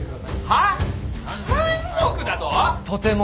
はっ？